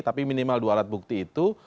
tapi minimal dua alat bukti itu